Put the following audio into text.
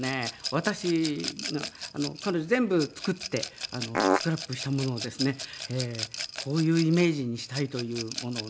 私彼女全部作ってスクラップしたものをですねこういうイメージにしたいというものをね